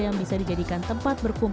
yang bisa dijadikan tempat berbuka publik